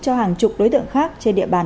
cho hàng chục đối tượng khác trên địa bàn